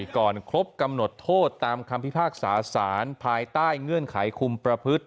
ก่อนครบกำหนดโทษตามคำพิพากษาสารภายใต้เงื่อนไขคุมประพฤติ